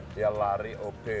dia lari oke